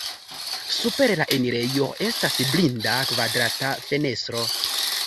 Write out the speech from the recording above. Super la enirejo estas blinda kvadrata fenestro.